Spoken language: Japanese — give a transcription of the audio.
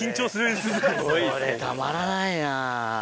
これたまらないな。